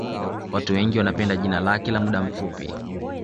Watu wengi wanapenda jina lake la muda mfupi